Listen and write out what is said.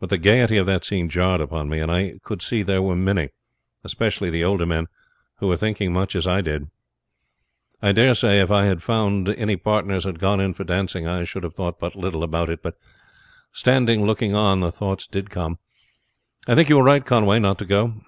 But the gayety of that scene jarred upon me, and I could see there were many, especially the older men, who were thinking as I did. I dare say if I had found any partners and gone in for dancing I should have thought but little about it; but standing looking on the thoughts came. I think you were right, Conway, not to go."